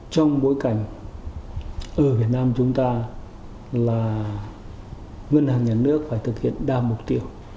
trong bối cảnh ở việt nam chúng ta là ngân hàng nhà nước phải thực hiện đa mục tiêu